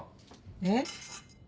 えっ？